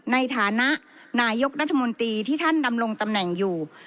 ในฐานะนายกรัฐมนตรีที่ท่านดำรงตำแหน่งอยู่